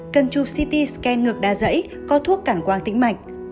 cần chụp ct scan ngược đa dãy có thuốc cản quang tĩnh mạch